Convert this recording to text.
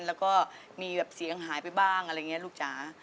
แล้วก็มีแบบเสียงหายไปบ้างอะไรอย่างนี้ลูกจ๋า